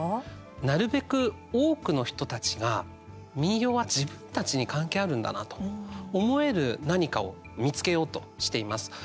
なるべく多くの人たちが民謡は自分たちに関係あるんだなと思える何かを見つけようとしています。